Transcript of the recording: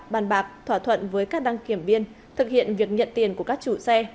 bàn bạc thỏa thuận với các đăng kiểm viên thực hiện việc nhận tiền của các chủ xe